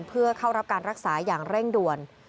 เพื่อเข้ารับการรักษาอย่างเร่งด่วน